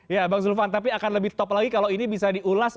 ya bang zulfan tapi akan lebih top lagi kalau ini bisa diulas